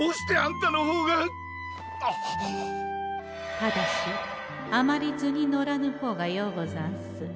ただしあまり図に乗らぬほうがようござんす。